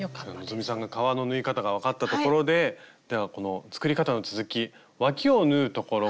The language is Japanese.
希さんが革の縫い方が分かったところでではこの作り方の続きわきを縫うところから続きを見ていきましょう。